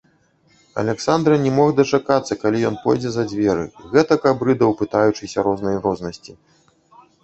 Аляксандра не мог дачакацца, калі ён пойдзе за дзверы, гэтак абрыдаў, пытаючыся рознай рознасці.